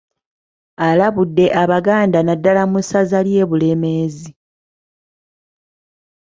Alabudde abaganda naddala mu ssaza ly'e Bulemeezi